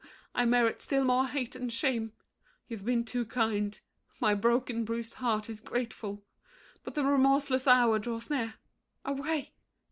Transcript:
I merit still more hate and shame. You've been Too kind; my broken, bruised heart is grateful. But the remorseless hour draws near. Away!